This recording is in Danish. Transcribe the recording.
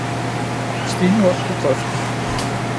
Stig nu op på grøften